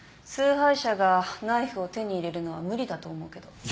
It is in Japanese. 崇拝者がナイフを手に入れるのは無理だと思うけど。